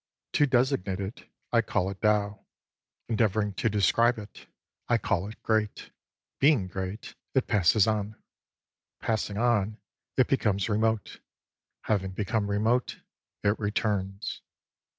To designate it, I call it Tao. Endeavouring to describe it, I call it Great. 20 Being great, it passes on ; passing on, it becomes remote ; having become remote, it returns.